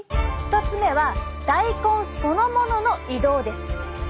１つ目は大根そのものの移動です。